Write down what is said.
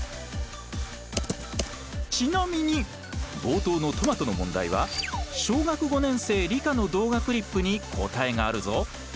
ちなみに冒頭のトマトの問題は小学５年生理科の動画クリップに答えがあるぞ。